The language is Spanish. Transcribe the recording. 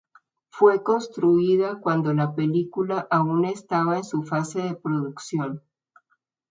Fue construida cuando la película aún estaba en su fase de producción.